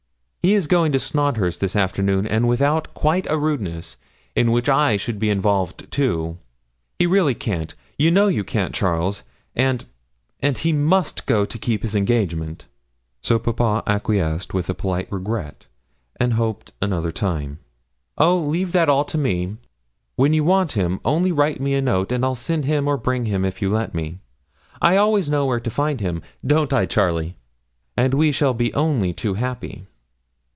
He is going to Snodhurst this afternoon, and without quite a rudeness, in which I should be involved too, he really can't you know you can't, Charles! and and he must go and keep his engagement.' So papa acquiesced with a polite regret, and hoped another time. 'Oh, leave all that to me. When you want him, only write me a note, and I'll send him or bring him if you let me. I always know where to find him don't I, Charlie? and we shall be only too happy.'